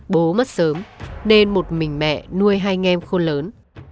bố mất sớm nên một mình mẹ nuôi hai anh em khôn lớn